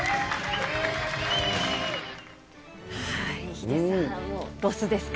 ヒデさん、ロスですか。